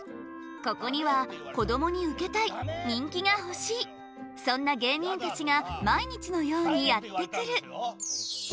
ここにはこどもにウケたい人気が欲しいそんな芸人たちが毎日のようにやって来る。